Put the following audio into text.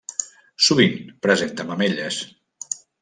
Sovint presenta mamelles.